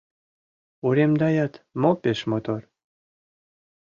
Уремдаят мо пеш мотор?